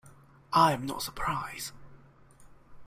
I am not surprised.